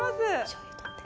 しょうゆ取って。